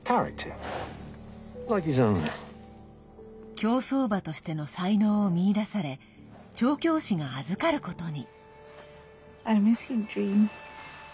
競走馬としての才能を見いだされ調教師が預かることに。